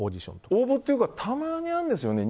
応募っていうかたまにあるんですよね。